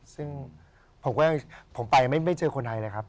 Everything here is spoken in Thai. ซึ่งผมก็ผมไปไม่เจอคนไทยเลยครับ